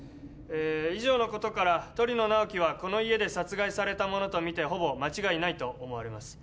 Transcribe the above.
以上のことから鳥野直木はこの家で殺害されたものと見てほぼ間違いないと思われます